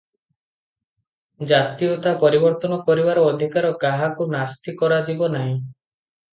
ଜାତୀୟତା ପରିବର୍ତ୍ତନ କରିବାର ଅଧିକାର କାହାକୁ ନାସ୍ତି କରାଯିବ ନାହିଁ ।